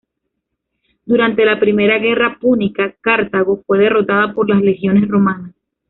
Durante la primera guerra púnica, Cartago fue derrotada por las legiones romanas.